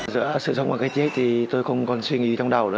giữa sự sống và cái chết thì tôi không còn suy nghĩ trong đầu